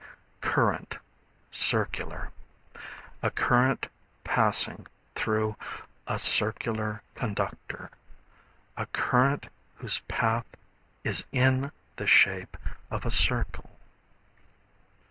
Current, Circular. A current passing through a circular conductor; a current whose path is in the shape of a circle.